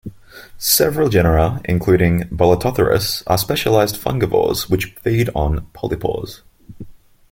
Several genera, including "Bolitotherus", are specialized fungivores which feed on polypores.